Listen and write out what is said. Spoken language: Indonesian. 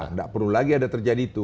tidak perlu lagi ada terjadi itu